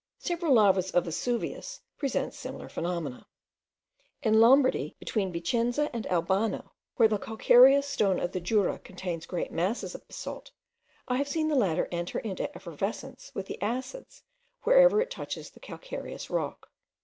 Several lavas of Vesuvius present similar phenomena. In Lombardy, between Vicenza and Albano, where the calcareous stone of the Jura contains great masses of basalt, I have seen the latter enter into effervescence with the acids wherever it touches the calcareous rock.